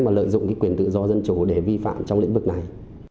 mà lợi dụng cái quyền tự do dân chủ để vi phạm trong lĩnh vực này